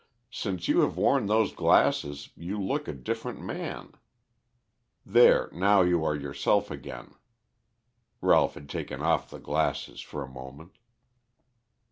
Since you have worn those glasses you look a different man. There, now you are yourself again." Ralph had taken off the glasses for a moment.